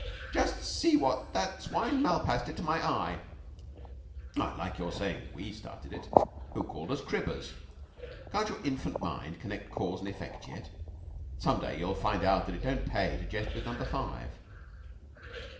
Just see what that swine Malpas did to my eye!" "I like your saying we started it. Who called us cribbers? Can't your infant mind connect cause and effect yet? Some day you'll find out that it don't pay to jest with Number Five."